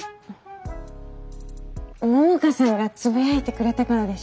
桃香さんがつぶやいてくれたからでしょうか？